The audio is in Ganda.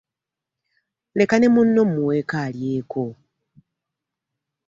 Leka ne munno mmuweeko alyeko.